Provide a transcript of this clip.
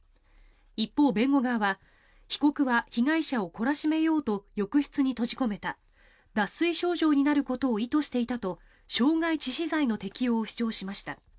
一方、弁護側は被告は被害者を懲らしめようと浴室に閉じ込めた脱水症状になることを意図していたと傷害致死罪の適用を主張しました。